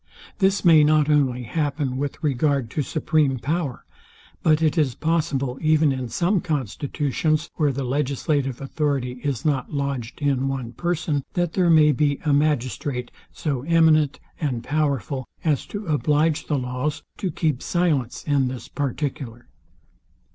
This may not only happen with regard to supreme power; but it is possible, even in some constitutions, where the legislative authority is not lodged in one person, that there may be a magistrate so eminent and powerful, as to oblige the laws to keep silence in this particular.